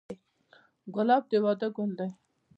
ګلاب د واده ګل دی.